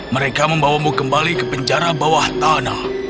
mereka membawamu kembali ke penjara bawah tanah